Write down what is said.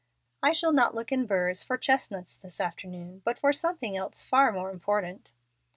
"I shall not look in burrs for chestnuts this afternoon, but for something else far more important."